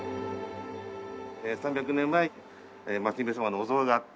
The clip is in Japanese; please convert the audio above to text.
３００年前松姫様のお像があって。